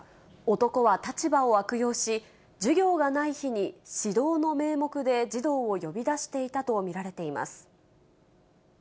男は立場を悪用し、授業がない日に、指導の名目で児童を呼び出していたと見られています。